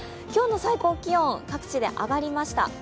今日の最高気温、各地で上がりました。